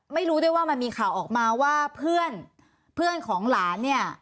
ไม่รู้ด้วยว่ามันมีข่าวออกมาว่าเพื่อนเพื่อนของหลานเนี่ย